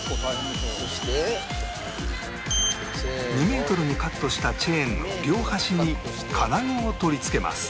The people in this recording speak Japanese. ２メートルにカットしたチェーンの両端に金具を取り付けます